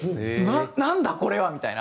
「なんだ？これは！」みたいな。